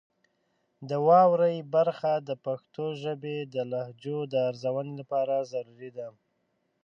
د واورئ برخه د پښتو ژبې د لهجو د ارزونې لپاره ضروري ده.